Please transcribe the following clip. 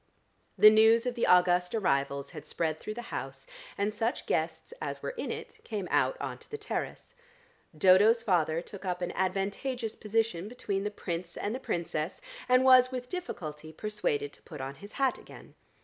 The news of the august arrivals had spread through the house, and such guests as were in it came out on to the terrace. Dodo's father took up an advantageous position between the Prince and the Princess, and was with difficulty persuaded to put on his hat again.